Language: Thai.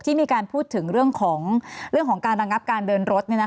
ที่มีการพูดถึงเรื่องเรื่องของการรังนับการเดินรถ